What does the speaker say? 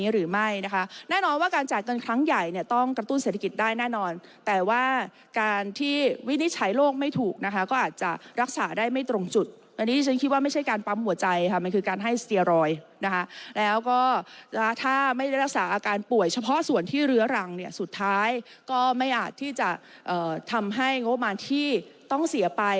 หรือไม่นะคะแล้วก็ถ้าไม่รักษาอาการป่วยเฉพาะส่วนที่เรื้อรังสุดท้ายก็ไม่อาจที่จะทำให้งบมามันที่ต้องเสียไป